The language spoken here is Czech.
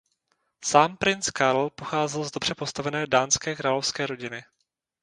Sám princ Carl pocházel z dobře postavené dánské královské rodiny.